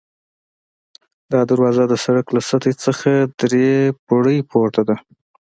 دا دروازه د سړک له سطحې څخه درې پوړۍ پورته ده.